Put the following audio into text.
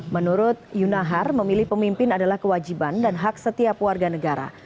menurut yunahar memilih pemimpin adalah kewajiban dan hak setiap warga negara